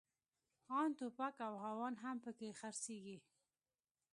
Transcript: ان توپ او هاوان هم پکښې خرڅېږي.